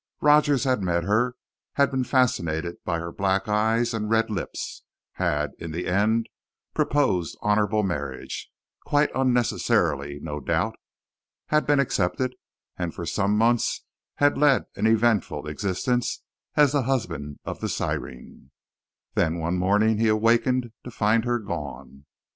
Rogers had met her, had been fascinated by her black eyes and red lips, had, in the end, proposed honourable marriage quite unnecessarily, no doubt! had been accepted, and for some months had led an eventful existence as the husband of the siren. Then, one morning, he awakened to find her gone.